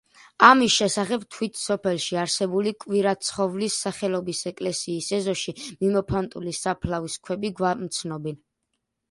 ამის შესახებ თვით სოფელში არსებული კვირაცხოვლის სახელობის ეკლესიის ეზოში მიმოფანტული საფლავის ქვები გვამცნობენ.